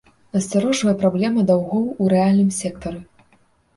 Насцярожвае праблема даўгоў у рэальным сектары.